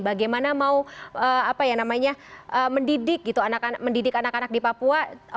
bagaimana mau mendidik anak anak di papua